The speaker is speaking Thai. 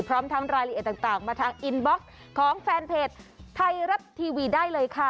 พร้อมทั้งรายละเอียดต่างมาทางอินบ็อกซ์ของแฟนเพจไทยรัฐทีวีได้เลยค่ะ